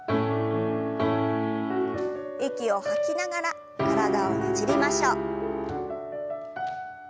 息を吐きながら体をねじりましょう。